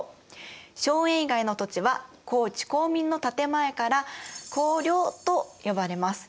荘園以外の土地は公地公民の建て前から公領と呼ばれます。